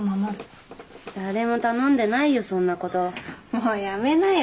もうやめなよ。